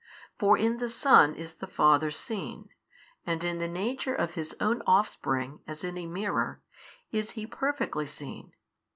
For in the Son is the Father seen, and in the Nature of His own Offspring as in a mirror, is He Perfectly seen.